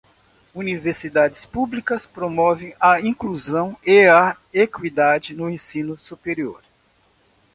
Universidades públicas promovem a inclusão e a equidade no ensino superior.